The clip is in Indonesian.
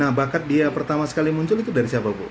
nah bakat dia pertama sekali muncul itu dari siapa bu